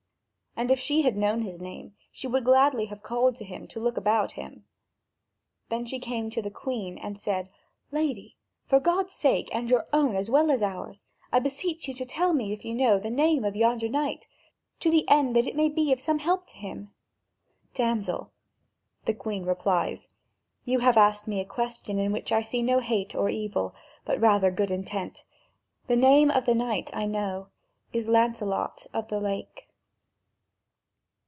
And if she had known his name, she would gladly have called to him to look about him. Then she came to the Queen and said: "Lady, for God's sake and your own as well as ours, I beseech you to tell me, if you know, the name of yonder knight, to the end that it may be of some help to him." "Damsel," the Queen replies, "you have asked me a question in which I see no hate or evil, but rather good intent; the name of the knight, I know, is Lancelot of the Lake."